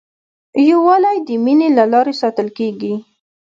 یووالی د مینې له لارې ساتل کېږي.